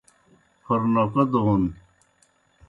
پھورنوکہ دون